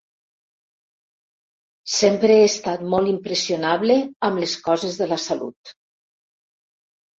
Sempre he estat molt impressionable amb les coses de la salut.